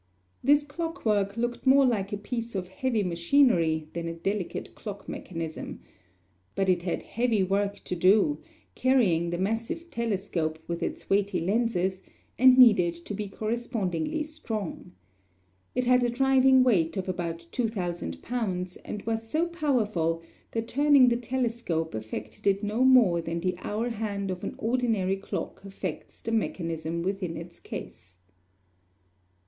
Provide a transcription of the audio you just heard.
This clock work looked more like a piece of heavy machinery than a delicate clock mechanism. But it had heavy work to do, carrying the massive telescope with its weighty lenses, and needed to be correspondingly strong. It had a driving weight of about 2,000 pounds, and was so powerful that turning the telescope affected it no more than the hour hand of an ordinary clock affects the mechanism within its case.